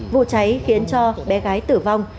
vụ cháy khiến cho bé gái tử vong